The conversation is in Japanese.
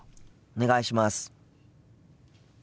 お願いします。